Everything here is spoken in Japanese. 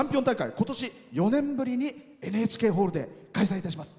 今年４年ぶりにＮＨＫホールで開催いたします。